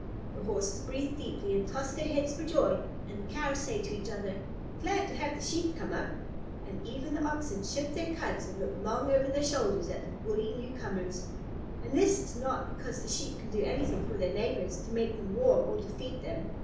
The Horses breathe deeply and toss their heads for joy, the Cows say to each other, "Glad to have the Sheep come up," and even the Oxen shift their cuds and look long over their shoulders at the woolly newcomers. And this is not because the Sheep can do anything for their neighbors to make them warm or to feed them.